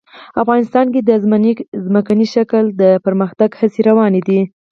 افغانستان کې د ځمکنی شکل د پرمختګ هڅې روانې دي.